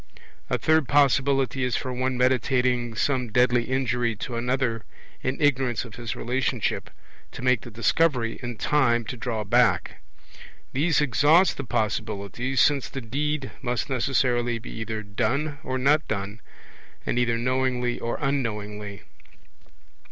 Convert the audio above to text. A third possibility is for one meditating some deadly injury to another, in ignorance of his relationship, to make the discovery in time to draw back. These exhaust the possibilities, since the deed must necessarily be either done or not done, and either knowingly or unknowingly.